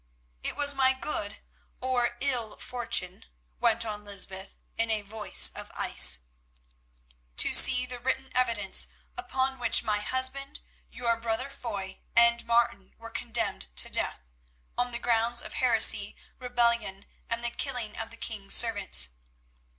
"It was my good, or my evil, fortune," went on Lysbeth, in a voice of ice, "to see the written evidence upon which my husband, your brother Foy, and Martin were condemned to death, on the grounds of heresy, rebellion, and the killing of the king's servants.